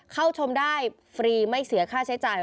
เข้าชมได้ฟรีไม่เสียค่าใช้จ่าย